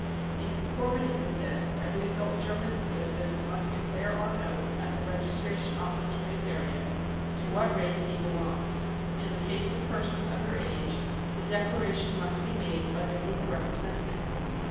In conformity with this every adult German citizen must declare on oath, at the registration office for his area, to what race he belongs. In the case of persons under age, the declaration must be made by their legal representatives.